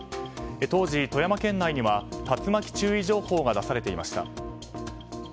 当時富山県内には竜巻注意情報が出されていました。